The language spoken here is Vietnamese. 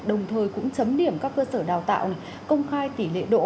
đồng thời cũng chấm điểm các cơ sở đào tạo công khai tỷ lệ đỗ